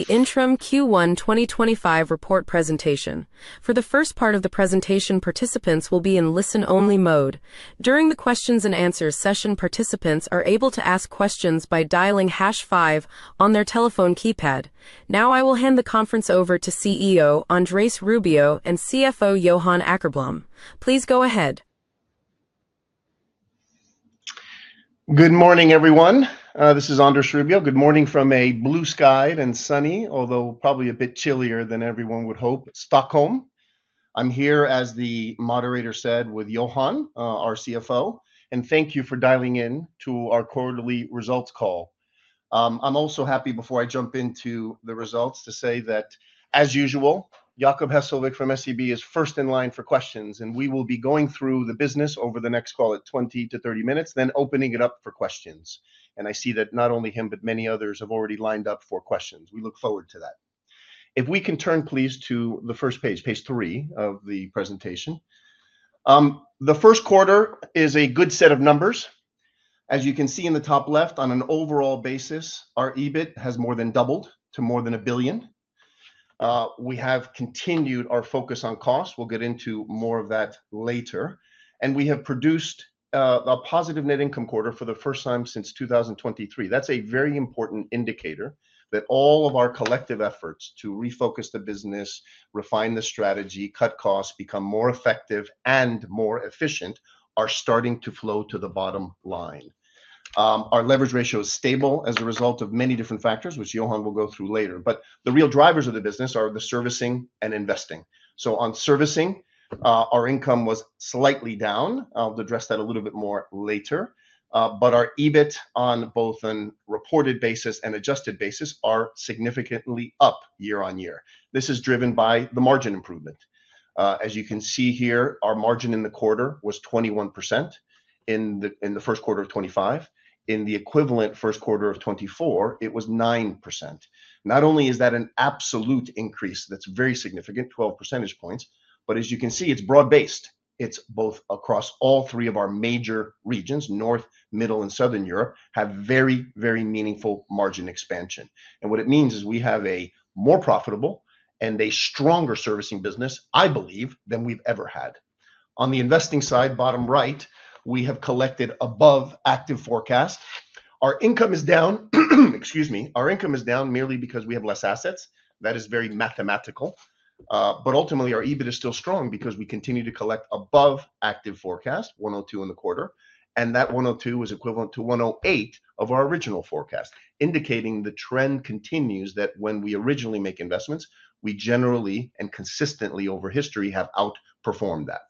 The Intrum Q1 2025 report presentation. For the first part of the presentation, participants will be in listen-only mode. During the Q&A session, participants are able to ask questions by dialing #5 on their telephone keypad. Now, I will hand the conference over to CEO Andrés Rubio and CFO Johan Åkerblom. Please go ahead. Good morning, everyone. This is Andrés Rubio. Good morning from a blue-skyed and sunny, although probably a bit chillier than everyone would hope, Stockholm. I am here, as the moderator said, with Johan, our CFO, and thank you for dialing in to our quarterly results call. I am also happy, before I jump into the results, to say that, as usual, Jakob Hesslevik from SEB is first in line for questions, and we will be going through the business over the next, call it, 20-30 minutes, then opening it up for questions. I see that not only him, but many others have already lined up for questions. We look forward to that. If we can turn, please, to the first page, page 3 of the presentation. The first quarter is a good set of numbers. As you can see in the top left, on an overall basis, our EBIT has more than doubled to more than 1 billion. We have continued our focus on costs, we'll get into more of that later. We have produced a positive net income quarter for the first time since 2023. That's a very important indicator that all of our collective efforts to refocus the business, refine the strategy, cut costs, become more effective, and more efficient are starting to flow to the bottom line. Our leverage ratio is stable as a result of many different factors, which Johan will go through later. The real drivers of the business are the servicing and investing. On servicing, our income was slightly down, I'll address that a little bit more later. Our EBIT, on both a reported basis and adjusted basis, are significantly up year-on-year. This is driven by the margin improvement. As you can see here, our margin in the quarter was 21% in the first quarter of 2025. In the equivalent first quarter of 2024, it was 9%. Not only is that an absolute increase that is very significant, 12 percentage points, but as you can see, it is broad-based. It is both across all three of our major regions: North, Middle, and Southern Europe have very, very meaningful margin expansion. What it means is we have a more profitable and a stronger servicing business, I believe, than we have ever had. On the investing side, bottom right, we have collected above active forecast. Our income is down—excuse me—our income is down merely because we have less assets. That is very mathematical. Ultimately, our EBIT is still strong because we continue to collect above active forecast, 102 in the quarter, and that 102 is equivalent to 108 of our original forecast, indicating the trend continues that when we originally make investments, we generally and consistently, over history, have outperformed that.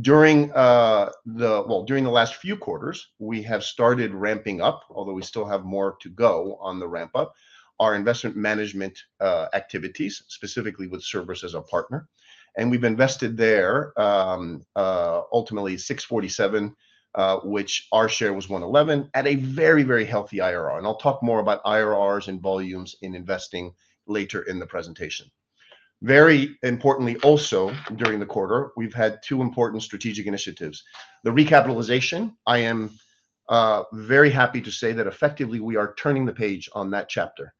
During the last few quarters, we have started ramping up, although we still have more to go on the ramp-up, our investment management activities, specifically with Cerberus as our partner. We have invested there, ultimately, 647 million, which our share was 111 million, at a very, very healthy IRR. I will talk more about IRRs and volumes in investing later in the presentation. Very importantly, also, during the quarter, we have had two important strategic initiatives: the recapitalization. I am very happy to say that, effectively, we are turning the page on that chapter.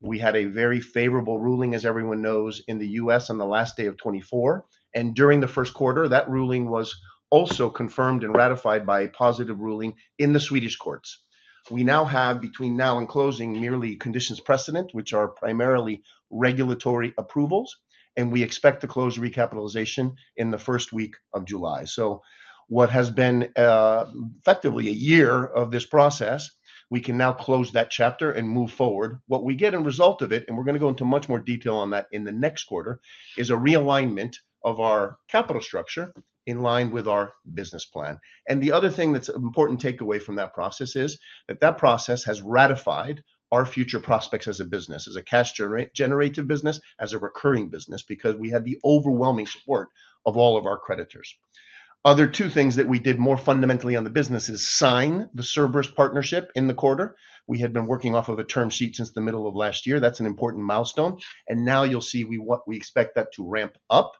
We had a very favorable ruling, as everyone knows, in the U.S. on the last day of 2024. During the first quarter, that ruling was also confirmed and ratified by a positive ruling in the Swedish courts. We now have, between now and closing, merely conditions precedent, which are primarily regulatory approvals, and we expect to close recapitalization in the first week of July. What has been effectively a year of this process, we can now close that chapter and move forward. What we get in result of it—and we're going to go into much more detail on that in the next quarter—is a realignment of our capital structure in line with our business plan. The other thing that's an important takeaway from that process is that process has ratified our future prospects as a business, as a cash-generative business, as a recurring business, because we had the overwhelming support of all of our creditors. Two other things that we did more fundamentally on the business are sign the Cerberus partnership in the quarter. We had been working off of a term sheet since the middle of last year. That's an important milestone. You will see we expect that to ramp up.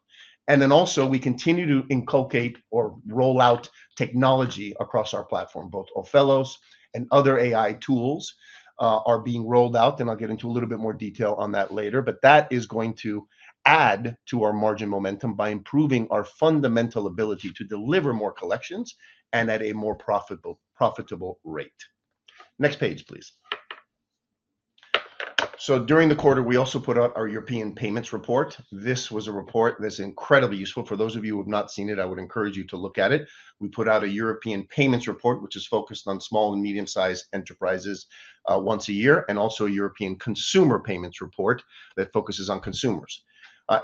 Also, we continue to inculcate or roll out technology across our platform. Both Ophelos and other AI tools are being rolled out, and I'll get into a little bit more detail on that later. That is going to add to our margin momentum by improving our fundamental ability to deliver more collections and at a more profitable rate. Next page, please. During the quarter, we also put out our European payments report. This was a report that is incredibly useful. For those of you who have not seen it, I would encourage you to look at it. We put out a European payments report, which is focused on small and medium-sized enterprises once a year, and also a European consumer payments report that focuses on consumers.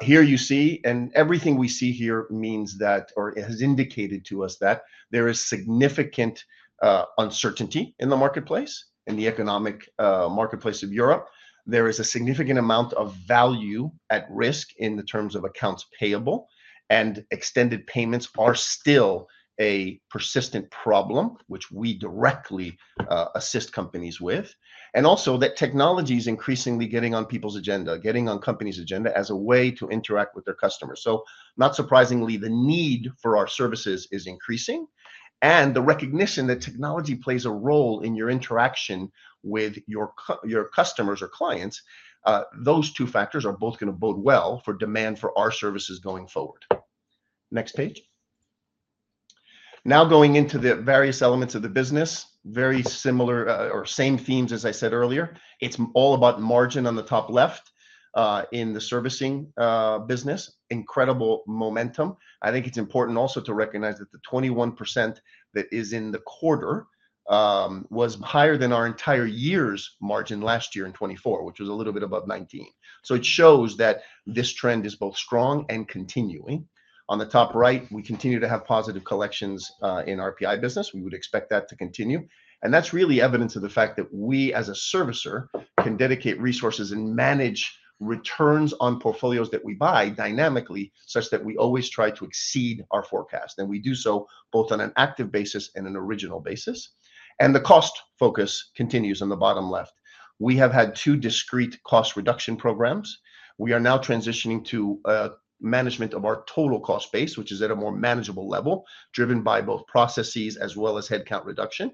Here you see—and everything we see here means that, or has indicated to us that—there is significant uncertainty in the marketplace, in the economic marketplace of Europe. There is a significant amount of value at risk in terms of accounts payable, and extended payments are still a persistent problem, which we directly assist companies with. Technology is increasingly getting on people's agenda, getting on companies' agenda as a way to interact with their customers. Not surprisingly, the need for our services is increasing. The recognition that technology plays a role in your interaction with your customers or clients, those two factors are both going to bode well for demand for our services going forward. Next page. Now going into the various elements of the business, very similar or same themes as I said earlier. It is all about margin on the top left in the servicing business. Incredible momentum. I think it is important also to recognize that the 21% that is in the quarter was higher than our entire year's margin last year in 2024, which was a little bit above 19%. It shows that this trend is both strong and continuing. On the top right, we continue to have positive collections in our PI business. We would expect that to continue. That is really evidence of the fact that we, as a servicer, can dedicate resources and manage returns on portfolios that we buy dynamically, such that we always try to exceed our forecast. We do so both on an active basis and an original basis. The cost focus continues on the bottom left. We have had two discrete cost reduction programs. We are now transitioning to management of our total cost base, which is at a more manageable level, driven by both processes as well as headcount reduction.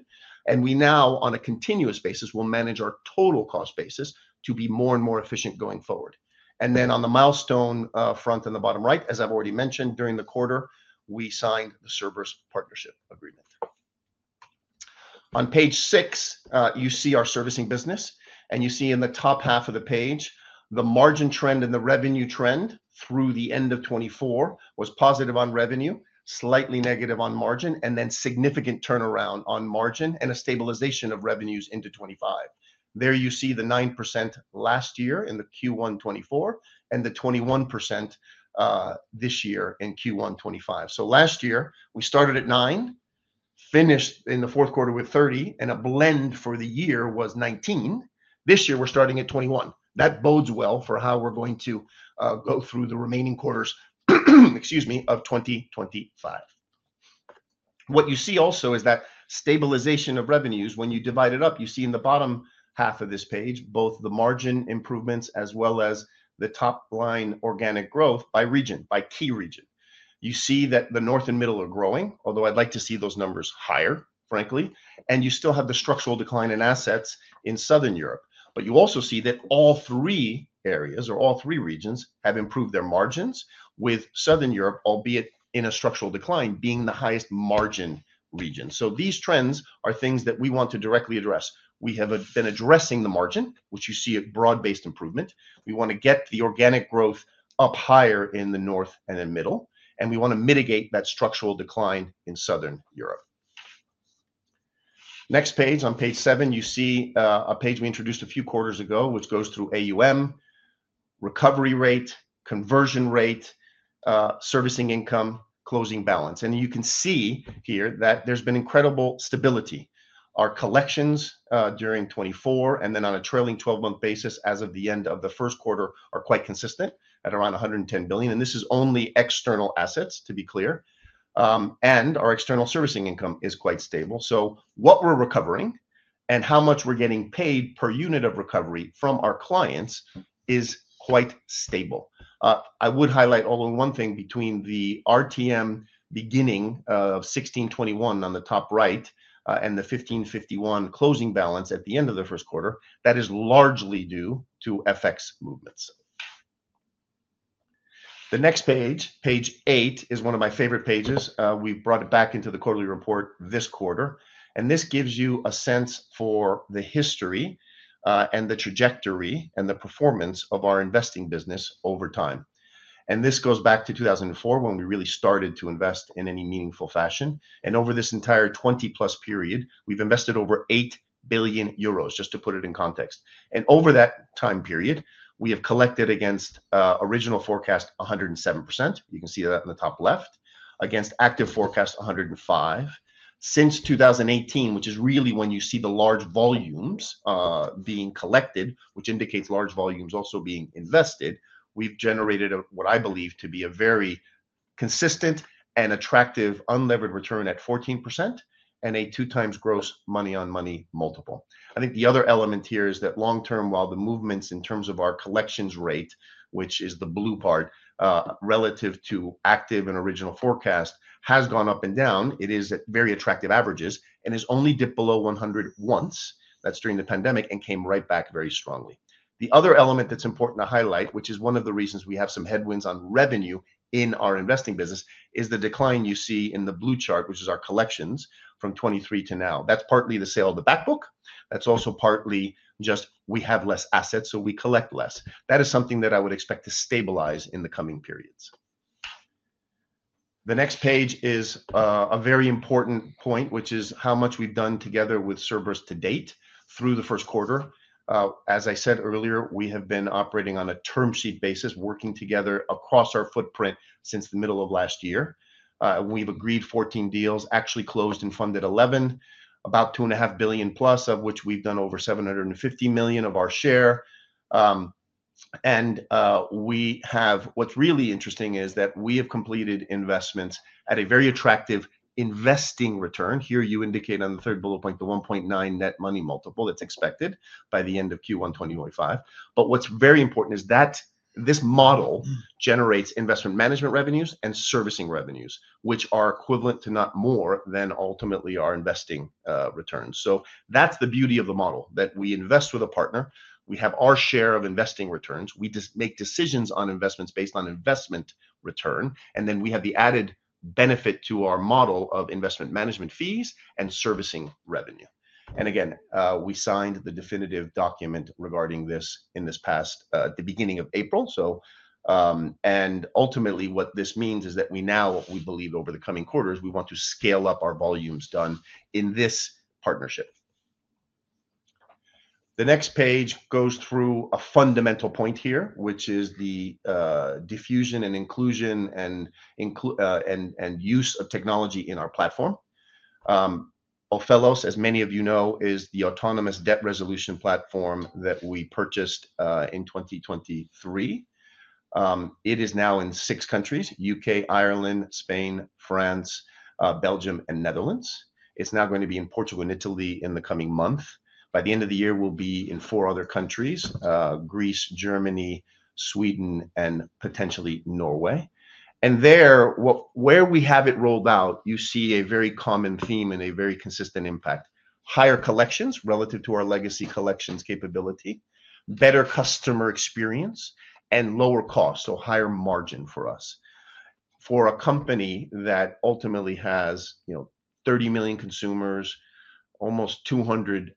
We now, on a continuous basis, will manage our total cost basis to be more and more efficient going forward. On the milestone front on the bottom right, as I have already mentioned, during the quarter, we signed the Cerberus partnership agreement. On page 6, you see our servicing business. You see in the top half of the page the margin trend and the revenue trend through the end of 2024 was positive on revenue, slightly negative on margin, and then significant turnaround on margin and a stabilization of revenues into 2025. There you see the 9% last year in Q1 2024 and the 21% this year in Q1 2025. Last year, we started at 9, finished in the fourth quarter with 30, and a blend for the year was 19. This year, we are starting at 21. That bodes well for how we are going to go through the remaining quarters, excuse me, of 2025. What you see also is that stabilization of revenues, when you divide it up, you see in the bottom half of this page, both the margin improvements as well as the top-line organic growth by region, by key region. You see that the North and Middle are growing, although I'd like to see those numbers higher, frankly. You still have the structural decline in assets in Southern Europe. You also see that all three areas, or all three regions, have improved their margins, with Southern Europe, albeit in a structural decline, being the highest margin region. These trends are things that we want to directly address. We have been addressing the margin, which you see a broad-based improvement. We want to get the organic growth up higher in the North and the Middle, and we want to mitigate that structural decline in Southern Europe. Next page, on page 7, you see a page we introduced a few quarters ago, which goes through AUM, recovery rate, conversion rate, servicing income, closing balance. You can see here that there has been incredible stability. Our collections during 2024 and then on a trailing 12-month basis as of the end of the first quarter are quite consistent at around 110 billion. This is only external assets, to be clear. Our external servicing income is quite stable. What we are recovering and how much we are getting paid per unit of recovery from our clients is quite stable. I would highlight, although, one thing: between the RTM beginning of 1,621 on the top right and the 1,551 closing balance at the end of the first quarter, that is largely due to FX movements. The next page, page 8, is one of my favorite pages. We brought it back into the quarterly report this quarter. This gives you a sense for the history and the trajectory and the performance of our investing business over time. This goes back to 2004, when we really started to invest in any meaningful fashion. Over this entire 20-plus period, we have invested over 8 billion euros, just to put it in context. Over that time period, we have collected against original forecast 107%. You can see that on the top left, against active forecast 105%. Since 2018, which is really when you see the large volumes being collected, which indicates large volumes also being invested, we have generated what I believe to be a very consistent and attractive unlevered return at 14% and a two-times gross money-on-money multiple. I think the other element here is that long-term, while the movements in terms of our collections rate, which is the blue part, relative to active and original forecast, have gone up and down, it is at very attractive averages and has only dipped below 100 once. That is during the pandemic and came right back very strongly. The other element that is important to highlight, which is one of the reasons we have some headwinds on revenue in our investing business, is the decline you see in the blue chart, which is our collections from 2023 to now. That is partly the sale of the backbook. That is also partly just we have less assets, so we collect less. That is something that I would expect to stabilize in the coming periods. The next page is a very important point, which is how much we've done together with Cerberus to date through the first quarter. As I said earlier, we have been operating on a term sheet basis, working together across our footprint since the middle of last year. We've agreed 14 deals, actually closed and funded 11, about 2.5 billion plus, of which we've done over 750 million of our share. What's really interesting is that we have completed investments at a very attractive investing return. Here you indicate on the third bullet point the 1.9 net money multiple that's expected by the end of Q1 2025. What is very important is that this model generates investment management revenues and servicing revenues, which are equivalent to not more than ultimately our investing returns. That's the beauty of the model, that we invest with a partner, we have our share of investing returns, we make decisions on investments based on investment return, and then we have the added benefit to our model of investment management fees and servicing revenue. Again, we signed the definitive document regarding this in this past, the beginning of April. Ultimately, what this means is that we now, we believe, over the coming quarters, we want to scale up our volumes done in this partnership. The next page goes through a fundamental point here, which is the diffusion and inclusion and use of technology in our platform. Ophelos, as many of you know, is the autonomous debt resolution platform that we purchased in 2023. It is now in six countries: U.K., Ireland, Spain, France, Belgium, and Netherlands. is now going to be in Portugal and Italy in the coming month. By the end of the year, we will be in four other countries: Greece, Germany, Sweden, and potentially Norway. Where we have it rolled out, you see a very common theme and a very consistent impact: higher collections relative to our legacy collections capability, better customer experience, and lower cost, so higher margin for us. For a company that ultimately has 30 million consumers, almost 200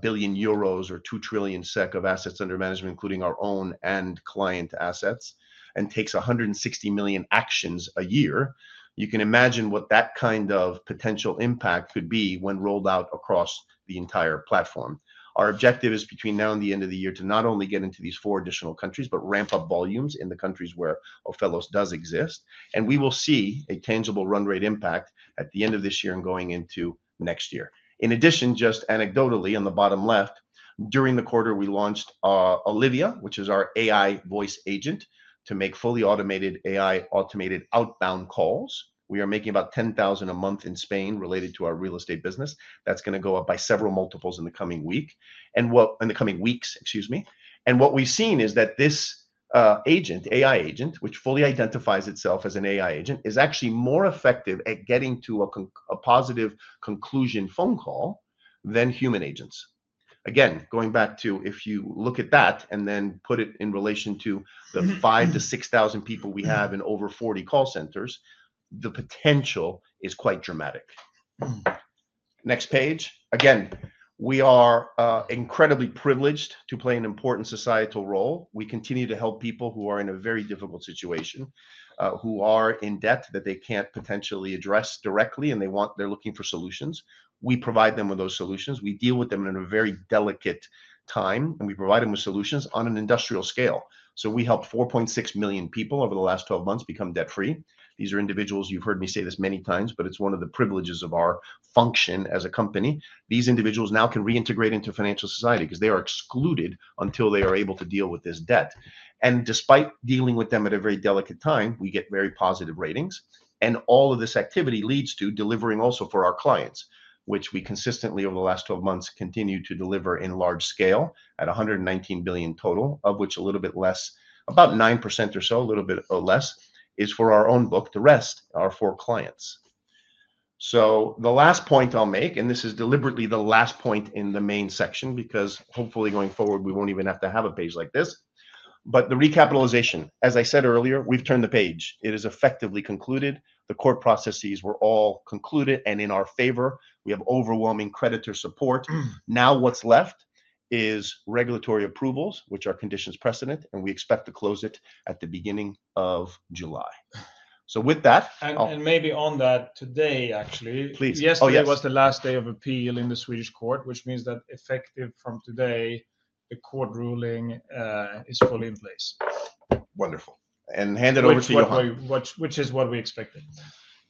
billion euros or 2 trillion SEK of assets under management, including our own and client assets, and takes 160 million actions a year, you can imagine what that kind of potential impact could be when rolled out across the entire platform. Our objective is between now and the end of the year to not only get into these four additional countries, but ramp up volumes in the countries where Ophelos does exist. We will see a tangible run rate impact at the end of this year and going into next year. In addition, just anecdotally, on the bottom left, during the quarter, we launched Olivia, which is our AI voice agent to make fully automated AI automated outbound calls. We are making about 10,000 a month in Spain related to our real estate business. That is going to go up by several multiples in the coming weeks, excuse me. What we have seen is that this agent, AI agent, which fully identifies itself as an AI agent, is actually more effective at getting to a positive conclusion phone call than human agents. Again, going back to if you look at that and then put it in relation to the 5,000-6,000 people we have in over 40 call centers, the potential is quite dramatic. Next page. Again, we are incredibly privileged to play an important societal role. We continue to help people who are in a very difficult situation, who are in debt that they can't potentially address directly, and they want, they're looking for solutions. We provide them with those solutions. We deal with them in a very delicate time, and we provide them with solutions on an industrial scale. We helped 4.6 million people over the last 12 months become debt-free. These are individuals, you've heard me say this many times, but it's one of the privileges of our function as a company. These individuals now can reintegrate into financial society because they are excluded until they are able to deal with this debt. Despite dealing with them at a very delicate time, we get very positive ratings. All of this activity leads to delivering also for our clients, which we consistently over the last 12 months continue to deliver in large scale at 119 billion total, of which a little bit less, about 9% or so, a little bit less, is for our own book. The rest are for clients. The last point I'll make, and this is deliberately the last point in the main section because hopefully going forward, we won't even have to have a page like this. The recapitalization, as I said earlier, we've turned the page. It is effectively concluded. The court processes were all concluded and in our favor. We have overwhelming creditor support. Now what is left is regulatory approvals, which are conditions precedent, and we expect to close it at the beginning of July. With that. Maybe on that today, actually. Please. Yesterday was the last day of appeal in the Swedish court, which means that effective from today, the court ruling is fully in place. Wonderful. Hand it over to Johan. Which is what we expected.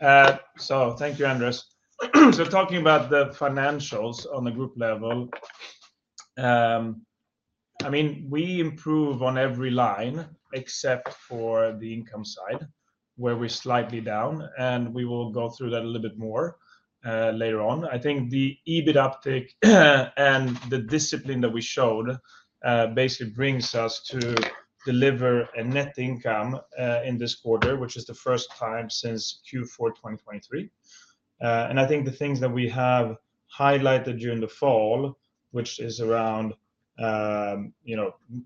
Thank you, Andrés. Talking about the financials on the group level, I mean, we improve on every line except for the income side, where we are slightly down. We will go through that a little bit more later on. I think the EBIT uptick and the discipline that we showed basically brings us to deliver a net income in this quarter, which is the first time since Q4 2023. I think the things that we have highlighted during the fall, which is around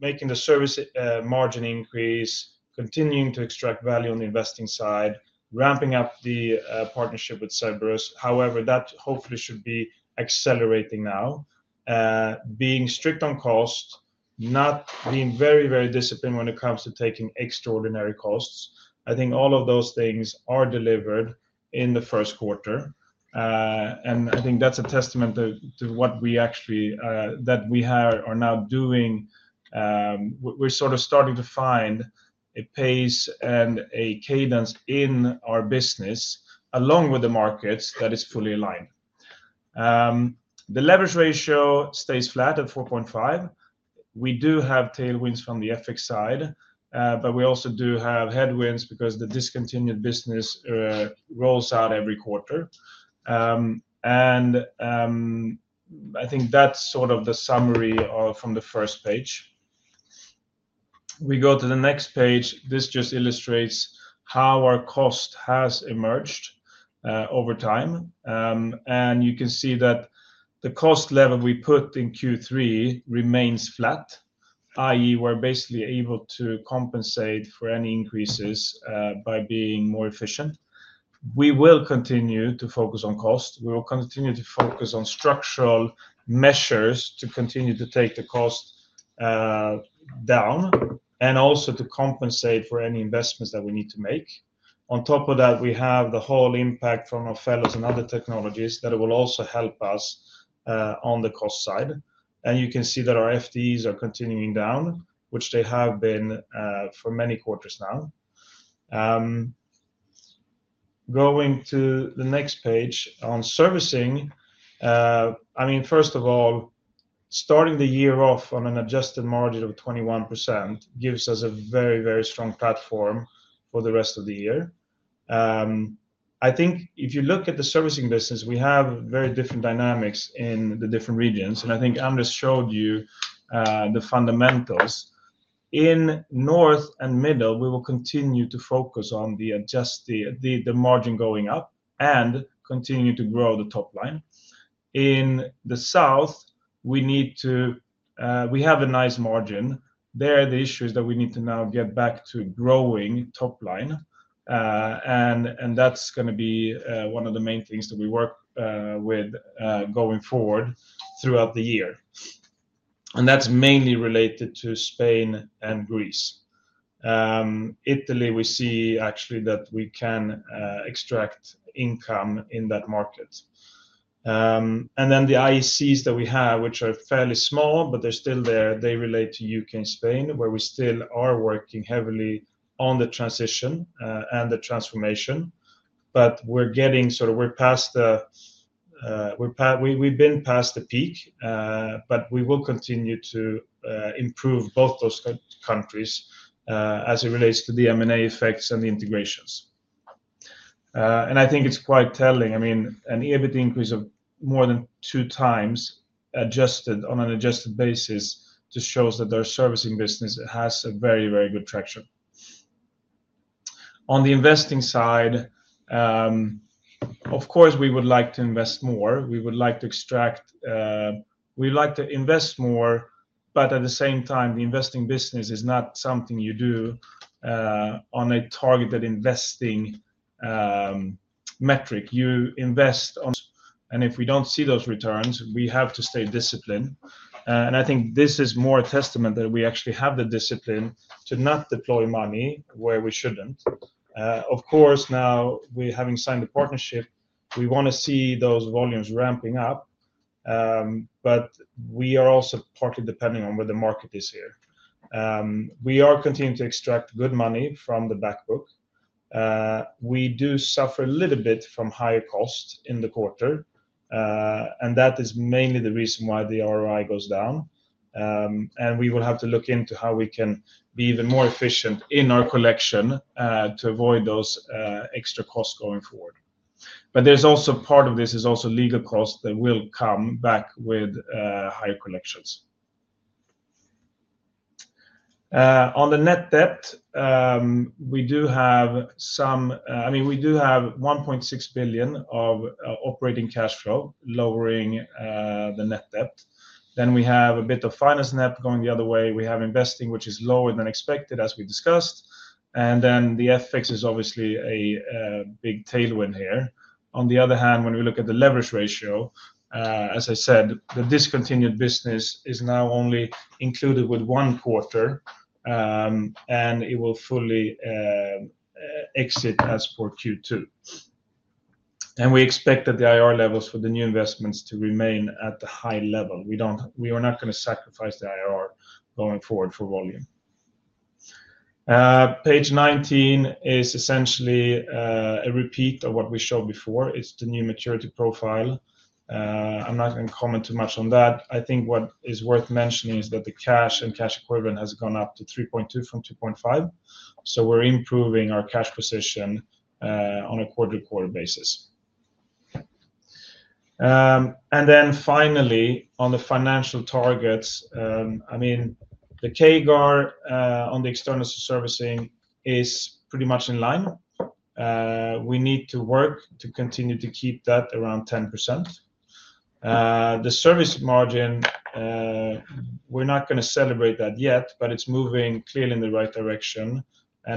making the service margin increase, continuing to extract value on the investing side, ramping up the partnership with Cerberus. However, that hopefully should be accelerating now, being strict on cost, not being very, very disciplined when it comes to taking extraordinary costs. I think all of those things are delivered in the first quarter. I think that's a testament to what we actually that we are now doing. We're sort of starting to find a pace and a cadence in our business along with the markets that is fully aligned. The leverage ratio stays flat at 4.5. We do have tailwinds from the FX side, but we also do have headwinds because the discontinued business rolls out every quarter. I think that's sort of the summary from the first page. We go to the next page. This just illustrates how our cost has emerged over time. You can see that the cost level we put in Q3 remains flat, i.e., we're basically able to compensate for any increases by being more efficient. We will continue to focus on cost. We will continue to focus on structural measures to continue to take the cost down and also to compensate for any investments that we need to make. On top of that, we have the whole impact from Ophelos and other technologies that will also help us on the cost side. You can see that our FDEs are continuing down, which they have been for many quarters now. Going to the next page on servicing, I mean, first of all, starting the year off on an adjusted margin of 21% gives us a very, very strong platform for the rest of the year. I think if you look at the servicing business, we have very different dynamics in the different regions. I think Andrés showed you the fundamentals. In North and Middle, we will continue to focus on the adjusted margin going up and continue to grow the top line. In the South, we have a nice margin. There, the issue is that we need to now get back to growing top line. That is going to be one of the main things that we work with going forward throughout the year. That is mainly related to Spain and Greece. Italy, we see actually that we can extract income in that market. The IECs that we have, which are fairly small, but they're still there, they relate to the U.K. and Spain, where we still are working heavily on the transition and the transformation. We're getting sort of, we're past the, we've been past the peak, but we will continue to improve both those countries as it relates to the M&A effects and the integrations. I think it's quite telling. I mean, an EBIT increase of more than two times on an adjusted basis just shows that our servicing business has very, very good traction. On the investing side, of course, we would like to invest more. We would like to extract, we would like to invest more, but at the same time, the investing business is not something you do on a targeted investing metric. You invest on. If we do not see those returns, we have to stay disciplined. I think this is more a testament that we actually have the discipline to not deploy money where we should not. Of course, now we are having signed a partnership, we want to see those volumes ramping up, but we are also partly depending on where the market is here. We are continuing to extract good money from the backbook. We do suffer a little bit from higher cost in the quarter, and that is mainly the reason why the ROI goes down. We will have to look into how we can be even more efficient in our collection to avoid those extra costs going forward. There is also part of this that is legal costs that will come back with higher collections. On the net debt, we do have some, I mean, we do have 1.6 billion of operating cash flow lowering the net debt. Then we have a bit of finance net going the other way. We have investing, which is lower than expected, as we discussed. The FX is obviously a big tailwind here. On the other hand, when we look at the leverage ratio, as I said, the discontinued business is now only included with one quarter, and it will fully exit as per Q2. We expect that the IRR levels for the new investments to remain at the high level. We are not going to sacrifice the IRR going forward for volume. Page 19 is essentially a repeat of what we showed before. It is the new maturity profile. I am not going to comment too much on that. I think what is worth mentioning is that the cash and cash equivalent has gone up to 3.2 billion from 2.5 billion. We are improving our cash position on a quarter-to-quarter basis. Finally, on the financial targets, I mean, the KGAR on the external servicing is pretty much in line. We need to work to continue to keep that around 10%. The service margin, we are not going to celebrate that yet, but it is moving clearly in the right direction.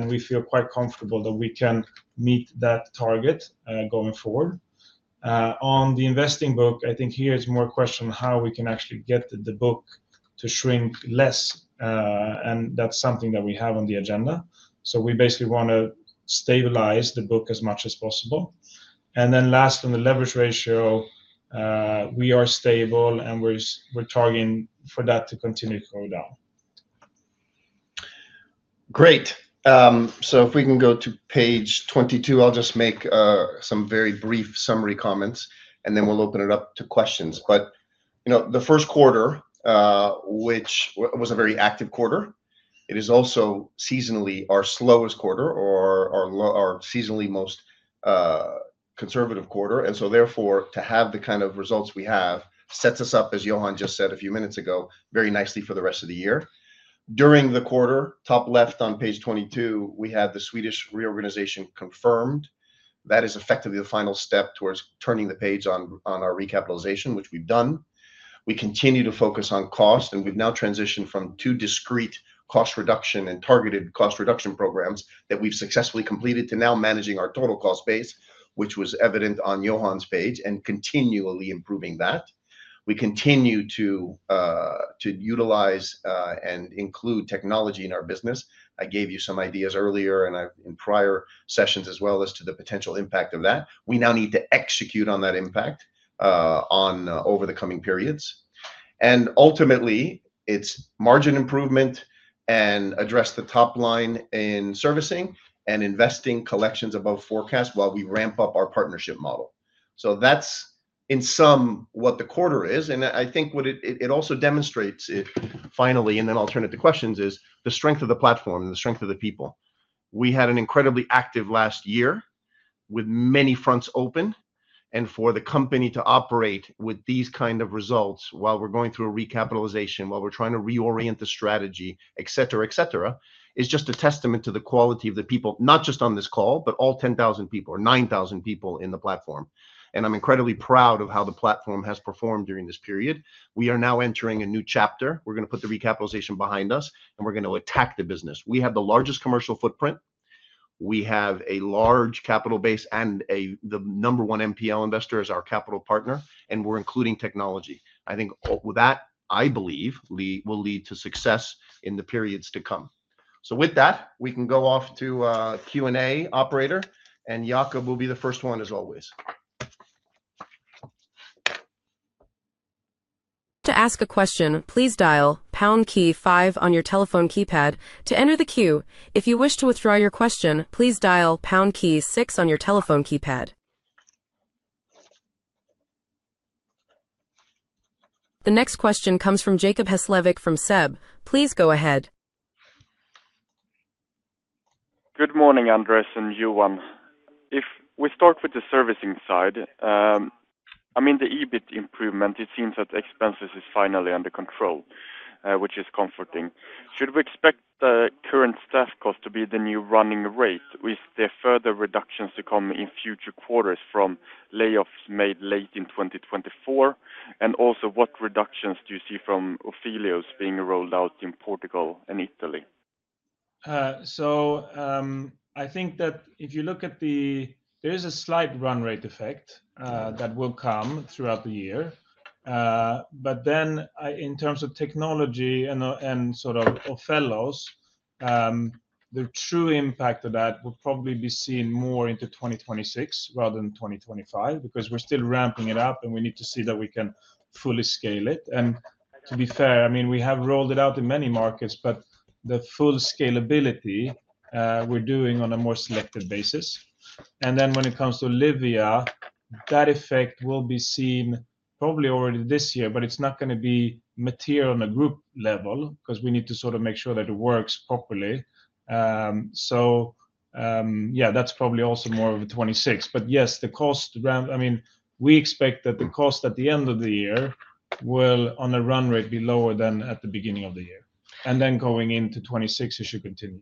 We feel quite comfortable that we can meet that target going forward. On the investing book, I think here it is more a question of how we can actually get the book to shrink less. That is something that we have on the agenda. We basically want to stabilize the book as much as possible. Last, on the leverage ratio, we are stable, and we are targeting for that to continue to go down. Great. If we can go to page 22, I will just make some very brief summary comments, and then we will open it up to questions. The first quarter, which was a very active quarter, is also seasonally our slowest quarter or our seasonally most conservative quarter. Therefore, to have the kind of results we have sets us up, as Johan just said a few minutes ago, very nicely for the rest of the year. During the quarter, top left on page 22, we had the Swedish reorganization confirmed. That is effectively the final step towards turning the page on our recapitalization, which we have done. We continue to focus on cost, and we have now transitioned from two discrete cost reduction and targeted cost reduction programs that we have successfully completed to now managing our total cost base, which was evident on Johan's page and continually improving that. We continue to utilize and include technology in our business. I gave you some ideas earlier and in prior sessions as well as to the potential impact of that. We now need to execute on that impact over the coming periods. Ultimately, it is margin improvement and address the top line in servicing and investing collections above forecast while we ramp up our partnership model. That is in somewhat what the quarter is. I think what it also demonstrates finally, and then I will turn it to questions, is the strength of the platform and the strength of the people. We had an incredibly active last year with many fronts open. For the company to operate with these kind of results while we are going through a recapitalization, while we are trying to reorient the strategy, etc., etc., is just a testament to the quality of the people, not just on this call, but all 10,000 people or 9,000 people in the platform. I am incredibly proud of how the platform has performed during this period. We are now entering a new chapter. We are going to put the recapitalization behind us, and we are going to attack the business. We have the largest commercial footprint. We have a large capital base, and the number one MPL investor is our capital partner. We are including technology. I think that, I believe, will lead to success in the periods to come. With that, we can go off to Q&A operator, and Jakob will be the first one as always. To ask a question, please dial pound key five on your telephone keypad to enter the queue. If you wish to withdraw your question, please dial pound key six on your telephone keypad. The next question comes from Jakob Hesslevik from SEB. Please go ahead. Good morning, Andrés and Johan. If we start with the servicing side, I mean, the EBIT improvement, it seems that expenses are finally under control, which is comforting. Should we expect the current staff cost to be the new running rate with further reductions to come in future quarters from layoffs made late in 2024? Also, what reductions do you see from Ophelos being rolled out in Portugal and Italy? I think that if you look at the, there is a slight run rate effect that will come throughout the year. In terms of technology and sort of Ophelos, the true impact of that will probably be seen more into 2026 rather than 2025 because we're still ramping it up, and we need to see that we can fully scale it. To be fair, I mean, we have rolled it out in many markets, but the full scalability, we're doing on a more selected basis. When it comes to Olivia, that effect will be seen probably already this year, but it's not going to be material on a group level because we need to sort of make sure that it works properly. Yeah, that's probably also more of a 2026. Yes, the cost, I mean, we expect that the cost at the end of the year will, on a run rate, be lower than at the beginning of the year. Going into 2026, it should continue.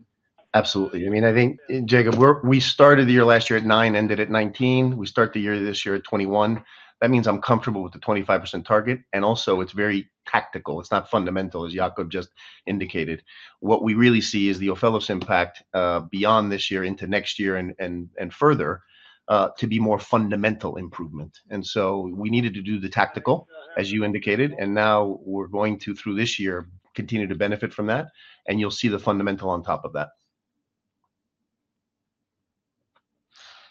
Absolutely. I mean, I think, Jakob, we started the year last year at 9, ended at 19. We start the year this year at 21. That means I'm comfortable with the 25% target. Also, it's very tactical. It's not fundamental, as Jakob just indicated. What we really see is the Ophelos impact beyond this year into next year and further to be more fundamental improvement. We needed to do the tactical, as you indicated. Now we're going to, through this year, continue to benefit from that. You'll see the fundamental on top of that.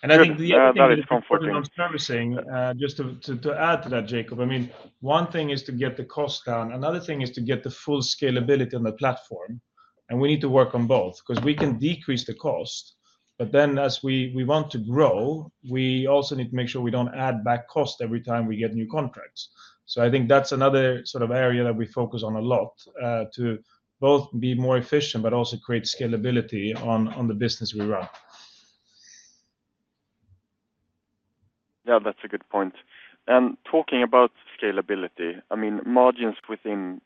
I think the other thing is comforting. Servicing, just to add to that, Jacob, I mean, one thing is to get the cost down. Another thing is to get the full scalability on the platform. We need to work on both because we can decrease the cost, but then as we want to grow, we also need to make sure we do not add back cost every time we get new contracts. I think that is another sort of area that we focus on a lot to both be more efficient but also create scalability on the business we run. Yeah, that is a good point. Talking about scalability, I mean, margins within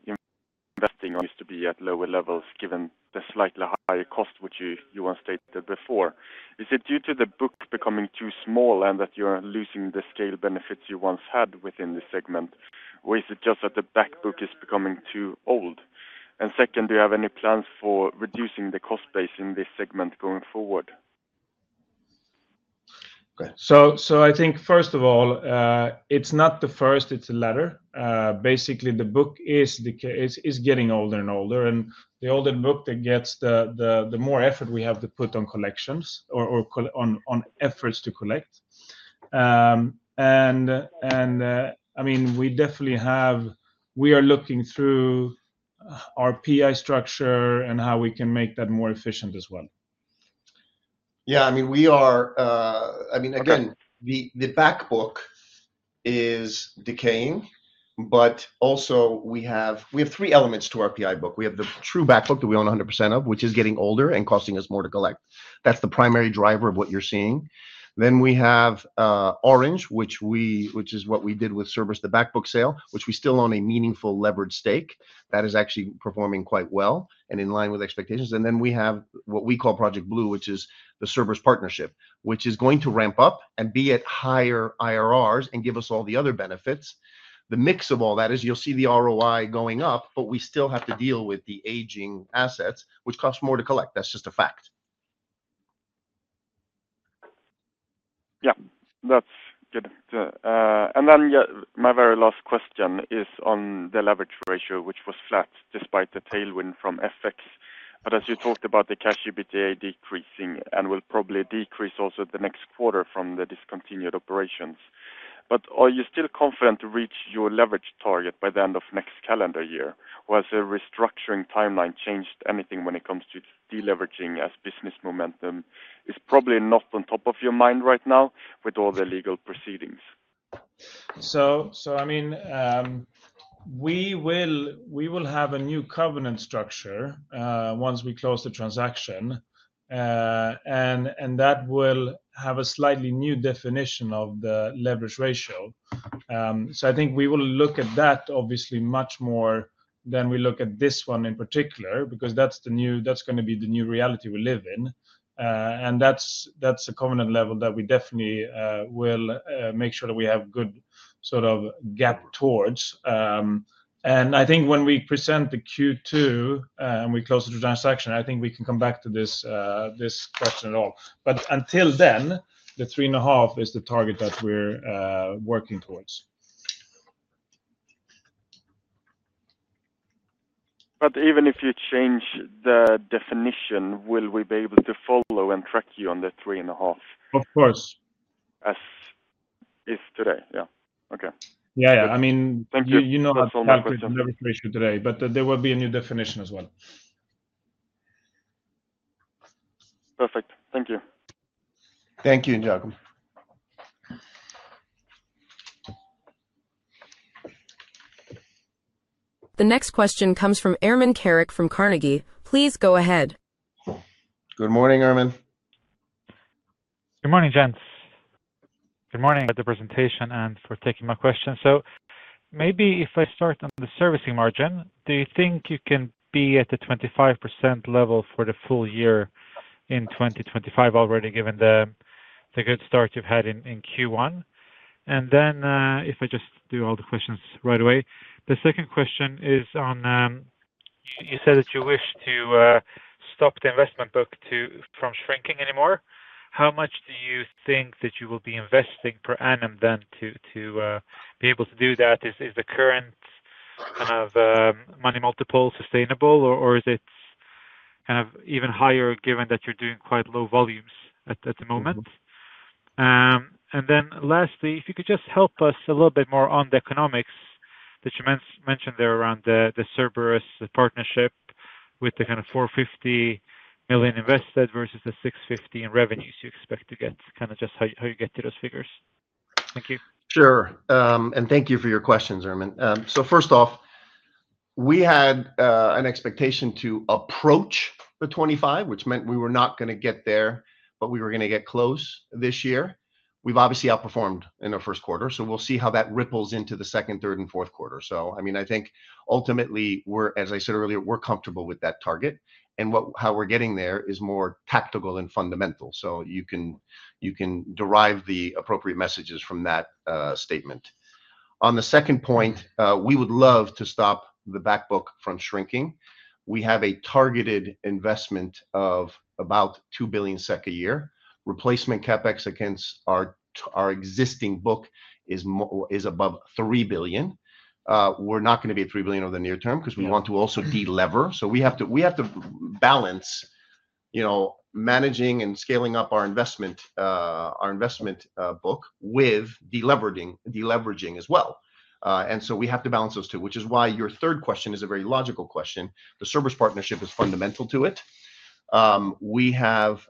investing used to be at lower levels given the slightly higher cost, which you once stated before. Is it due to the book becoming too small and that you're losing the scale benefits you once had within this segment, or is it just that the backbook is becoming too old? Second, do you have any plans for reducing the cost base in this segment going forward? Okay. I think, first of all, it's not the first, it's the latter. Basically, the book is getting older and older. The older the book gets, the more effort we have to put on collections or on efforts to collect. I mean, we definitely have, we are looking through our PI structure and how we can make that more efficient as well. Yeah. I mean, we are, I mean, again, the backbook is decaying, but also we have three elements to our PI book. We have the true backbook that we own 100% of, which is getting older and costing us more to collect. That's the primary driver of what you're seeing. We have Orange, which is what we did with service to backbook sale, which we still own a meaningful levered stake. That is actually performing quite well and in line with expectations. We have what we call Project Blue, which is the service partnership, which is going to ramp up and be at higher IRRs and give us all the other benefits. The mix of all that is you'll see the ROI going up, but we still have to deal with the aging assets, which cost more to collect. That's just a fact. Yeah. That's good. My very last question is on the leverage ratio, which was flat despite the tailwind from FX. As you talked about the cash EBITDA decreasing and will probably decrease also the next quarter from the discontinued operations. Are you still confident to reach your leverage target by the end of next calendar year? Has a restructuring timeline changed anything when it comes to deleveraging as business momentum is probably not on top of your mind right now with all the legal proceedings? I mean, we will have a new covenant structure once we close the transaction. That will have a slightly new definition of the leverage ratio. I think we will look at that, obviously, much more than we look at this one in particular because that is going to be the new reality we live in. That is a covenant level that we definitely will make sure that we have good sort of gap towards. I think when we present the Q2 and we close the transaction, I think we can come back to this question at all. Until then, the three and a half is the target that we're working towards. Even if you change the definition, will we be able to follow and track you on the three and a half? Of course. As is today. Yeah. Okay. Yeah. Yeah. I mean, you know that's the leverage ratio today, but there will be a new definition as well. Perfect. Thank you. Thank you, Jacob. The next question comes from Ermin Keric from Carnegie. Please go ahead. Good morning, Ermin. Good morning, Jens. Good morning. The presentation and for taking my question. Maybe if I start on the servicing margin, do you think you can be at the 25% level for the full year in 2025 already given the good start you've had in Q1? If I just do all the questions right away, the second question is on you said that you wish to stop the investment book from shrinking anymore. How much do you think that you will be investing per annum then to be able to do that? Is the current kind of money multiple sustainable, or is it kind of even higher given that you're doing quite low volumes at the moment? Lastly, if you could just help us a little bit more on the economics that you mentioned there around the Cerberus partnership with the kind of 450 million invested versus the 650 million in revenues you expect to get, just how you get to those figures. Thank you. Sure. Thank you for your questions, Ermin. First off, we had an expectation to approach the 25, which meant we were not going to get there, but we were going to get close this year. We have obviously outperformed in our first quarter. We will see how that ripples into the second, third, and fourth quarter. I think ultimately, as I said earlier, we are comfortable with that target. How we are getting there is more tactical than fundamental. You can derive the appropriate messages from that statement. On the second point, we would love to stop the backbook from shrinking. We have a targeted investment of about 2 billion SEK a year. Replacement CapEx against our existing book is above 3 billion. We're not going to be at 3 billion over the near term because we want to also delever. We have to balance managing and scaling up our investment book with deleveraging as well. We have to balance those two, which is why your third question is a very logical question. The service partnership is fundamental to it. We have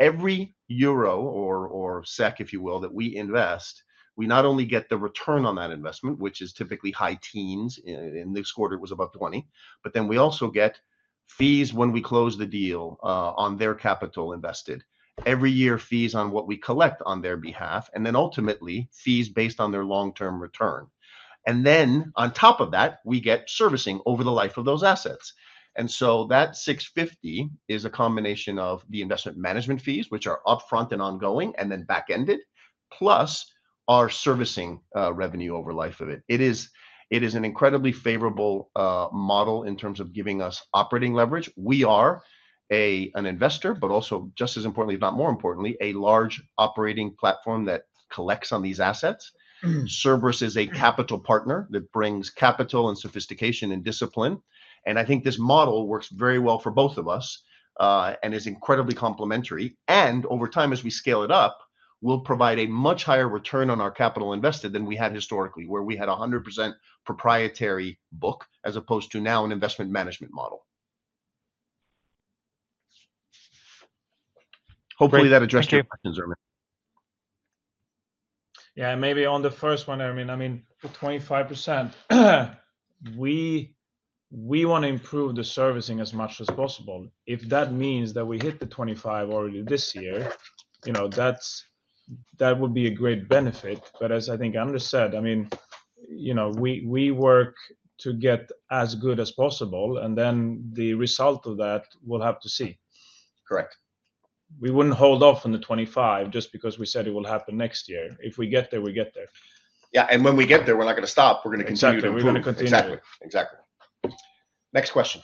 every euro or SEK, if you will, that we invest, we not only get the return on that investment, which is typically high teens, and this quarter it was about 20, but then we also get fees when we close the deal on their capital invested, every year fees on what we collect on their behalf, and then ultimately fees based on their long-term return. On top of that, we get servicing over the life of those assets. That 650 is a combination of the investment management fees, which are upfront and ongoing, and then back-ended, plus our servicing revenue over the life of it. It is an incredibly favorable model in terms of giving us operating leverage. We are an investor, but also just as importantly, if not more importantly, a large operating platform that collects on these assets. Cerberus is a capital partner that brings capital and sophistication and discipline. I think this model works very well for both of us and is incredibly complementary. Over time, as we scale it up, we will provide a much higher return on our capital invested than we had historically, where we had a 100% proprietary book as opposed to now an investment management model. Hopefully, that addressed your questions, Ermin. Yeah. Maybe on the first one, Ermin, I mean, the 25%, we want to improve the servicing as much as possible. If that means that we hit the 25 already this year, that would be a great benefit. As I think Anders said, I mean, we work to get as good as possible, and then the result of that we will have to see. Correct. We wouldn't hold off on the 2025 just because we said it will happen next year. If we get there, we get there. Yeah. When we get there, we're not going to stop. We're going to continue to grow. Exactly. Exactly. Next question.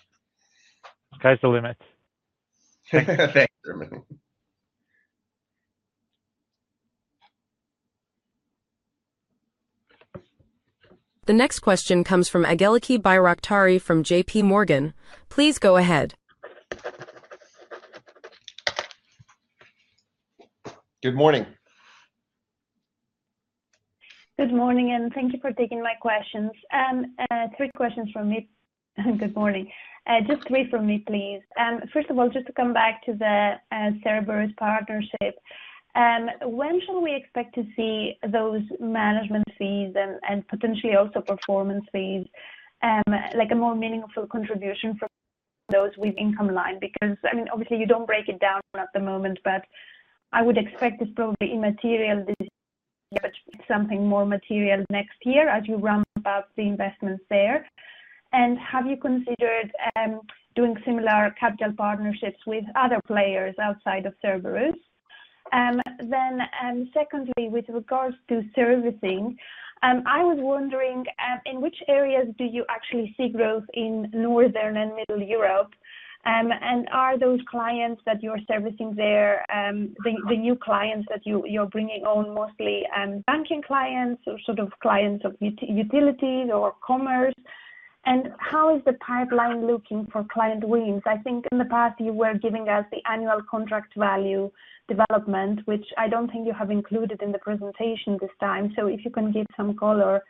Okay. The limit. Thanks, Ermin. The next question comes from Ageliki Bairaktari from JPMorgan. Please go ahead. Good morning. Good morning, and thank you for taking my questions. Three questions from me. Good morning. Just three from me, please. First of all, just to come back to the Cerberus partnership, when shall we expect to see those management fees and potentially also performance fees, like a more meaningful contribution for those with income line? Because, I mean, obviously, you do not break it down at the moment, but I would expect it is probably immaterial this year, but something more material next year as you ramp up the investments there. Have you considered doing similar capital partnerships with other players outside of Cerberus? Secondly, with regards to servicing, I was wondering in which areas do you actually see growth in Northern and Middle Europe? Are those clients that you are servicing there, the new clients that you are bringing on, mostly banking clients or sort of clients of utilities or commerce? How is the pipeline looking for client wins? I think in the past, you were giving us the annual contract value development, which I do not think you have included in the presentation this time. If you can give some color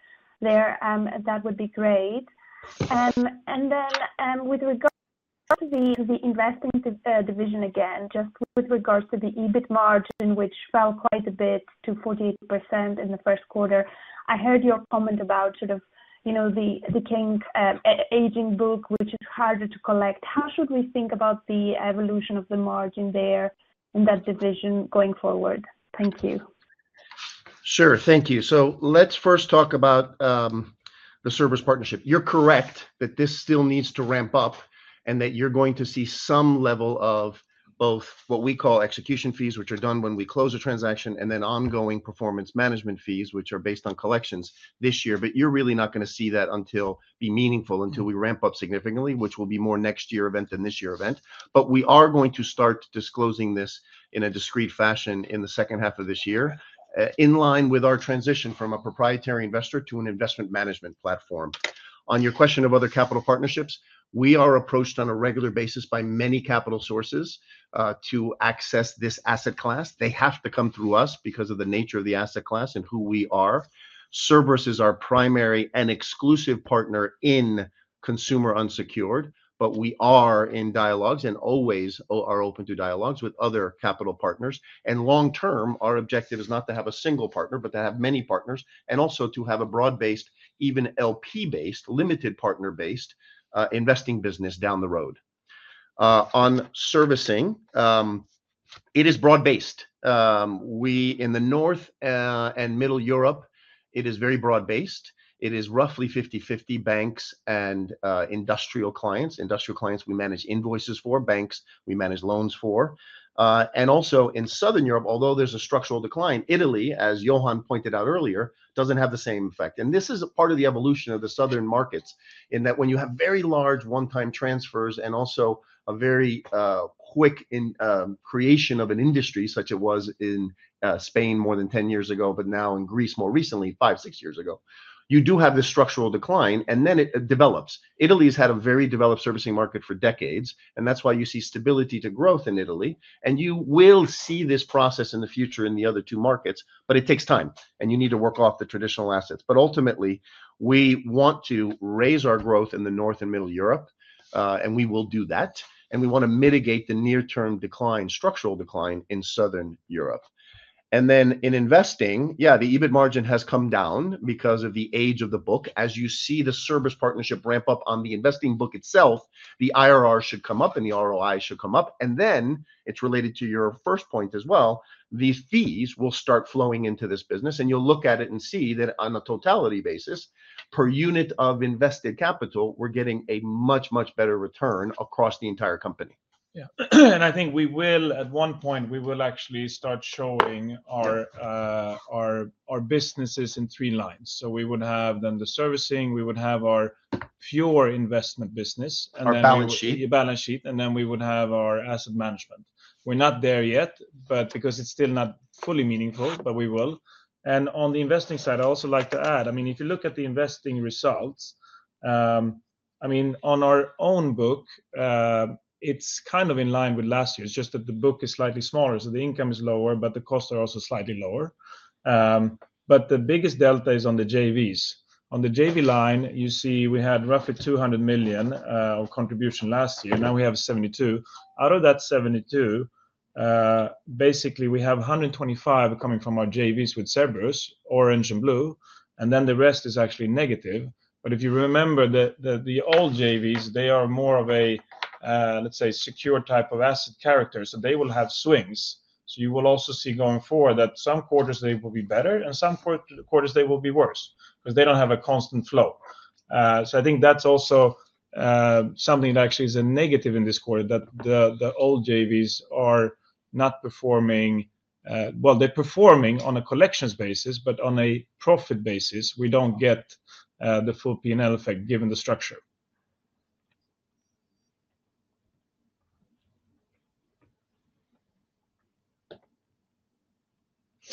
there, that would be great. Then with regards to the investing division again, just with regards to the EBIT margin, which fell quite a bit to 48% in the first quarter, I heard your comment about sort of the aging book, which is harder to collect. How should we think about the evolution of the margin there in that division going forward? Thank you. Sure. Thank you. Let's first talk about the service partnership. You're correct that this still needs to ramp up and that you're going to see some level of both what we call execution fees, which are done when we close the transaction, and then ongoing performance management fees, which are based on collections this year. You're really not going to see that be meaningful until we ramp up significantly, which will be more next year event than this year event. We are going to start disclosing this in a discreet fashion in the second half of this year in line with our transition from a proprietary investor to an investment management platform. On your question of other capital partnerships, we are approached on a regular basis by many capital sources to access this asset class. They have to come through us because of the nature of the asset class and who we are. Cerberus is our primary and exclusive partner in consumer unsecured, but we are in dialogues and always are open to dialogues with other capital partners. Long term, our objective is not to have a single partner, but to have many partners and also to have a broad-based, even LP-based, limited partner-based investing business down the road. On servicing, it is broad-based. In the North and Middle Europe, it is very broad-based. It is roughly 50/50 banks and industrial clients. Industrial clients, we manage invoices for. Banks, we manage loans for. Also in Southern Europe, although there is a structural decline, Italy, as Johan pointed out earlier, does not have the same effect. This is part of the evolution of the Southern markets in that when you have very large one-time transfers and also a very quick creation of an industry such as it was in Spain more than 10 years ago, but now in Greece more recently, five-six years ago, you do have this structural decline, and then it develops. Italy has had a very developed servicing market for decades, and that is why you see stability to growth in Italy. You will see this process in the future in the other two markets, but it takes time, and you need to work off the traditional assets. Ultimately, we want to raise our growth in the North and Middle Europe, and we will do that. We want to mitigate the near-term decline, structural decline in Southern Europe. In investing, yeah, the EBIT margin has come down because of the age of the book. As you see the service partnership ramp up on the investing book itself, the IRR should come up and the ROI should come up. It is related to your first point as well. The fees will start flowing into this business, and you'll look at it and see that on a totality basis, per unit of invested capital, we're getting a much, much better return across the entire company. Yeah. I think we will, at one point, we will actually start showing our businesses in three lines. We would have then the servicing, we would have our pure investment business. Our balance sheet. Balance sheet. Then we would have our asset management. We're not there yet, because it's still not fully meaningful, but we will. On the investing side, I'd also like to add, I mean, if you look at the investing results, I mean, on our own book, it's kind of in line with last year. It's just that the book is slightly smaller, so the income is lower, but the costs are also slightly lower. The biggest delta is on the JVs. On the JV line, you see we had roughly 200 million of contribution last year. Now we have 72 million. Out of that 72 million, basically, we have 125 million coming from our JVs with Cerberus, orange and blue, and then the rest is actually negative. If you remember the old JVs, they are more of a, let's say, secure type of asset character. They will have swings. You will also see going forward that some quarters they will be better and some quarters they will be worse because they do not have a constant flow. I think that is also something that actually is a negative in this quarter, that the old JVs are not performing. They are performing on a collections basis, but on a profit basis, we do not get the full P&L effect given the structure.